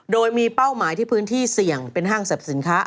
โดยมีเป้าหมายที่พื้นที่เสี่ยงเป็นห้างสรรพสินค้า